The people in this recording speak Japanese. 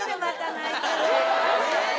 えっ！